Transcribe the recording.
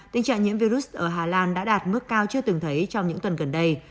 tình trạng nhiễm virus ở hà lan đã đạt mức cao chưa từng thấy trong những tuần gần đây